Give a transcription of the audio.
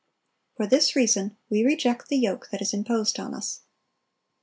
"For this reason we reject the yoke that is imposed on us."